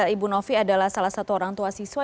ibu novi adalah salah satu orang tua siswa